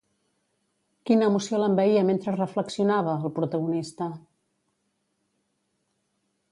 Quina emoció l'envaïa mentre reflexionava, al protagonista?